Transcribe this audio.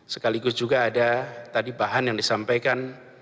sekaligus juga ada tadi bahan yang disampaikan